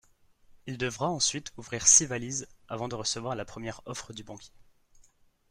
Il devra ensuite ouvrir six valises, avant de recevoir la première offre du banquier.